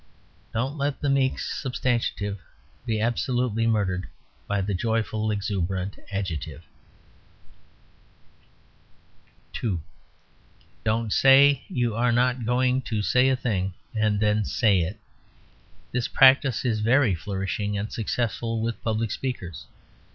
Don't let the meek substantive be absolutely murdered by the joyful, exuberant adjective. (2) Don't say you are not going to say a thing, and then say it. This practice is very flourishing and successful with public speakers.